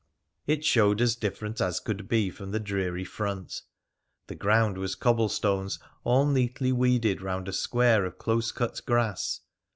It showed as different as could be from the dreary front. The ground was cobble stones all neatly weeded round a square of close cut grass.